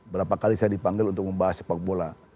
berapa kali saya dipanggil untuk membahas sepak bola